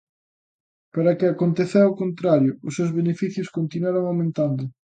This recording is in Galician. Pero é que aconteceu o contrario, os seus beneficios continuaron aumentando.